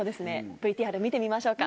ＶＴＲ見てみましょうか。